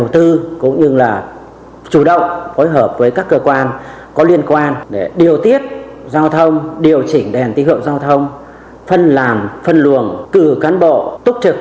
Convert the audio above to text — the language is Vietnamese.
tuyến đường cử cán bộ tốt trực